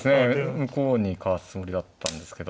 向こうに行かすつもりだったんですけど。